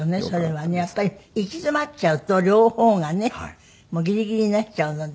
やっぱり行き詰まっちゃうと両方がねもうギリギリになっちゃうので。